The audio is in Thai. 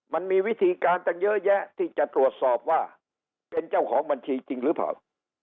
มันมีวิธีการตั้งเยอะแยะที่จะตรวจสอบว่าเป็นเจ้าของบัญชีจริงหรือเปล่า